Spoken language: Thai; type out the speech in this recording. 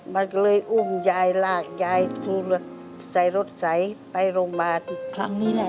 มันก็เลยอุ้มยายลากยายใส่รถไสไอไปโรงพยาบาล